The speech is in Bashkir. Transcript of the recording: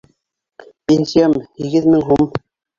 Пенсиям — һигеҙ мең һум.